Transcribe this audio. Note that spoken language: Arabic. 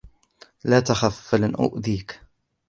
لا تخف. فلن أؤذيك.